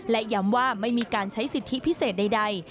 และย้ำว่าไม่มีการใช้สิทธิพิเศษใด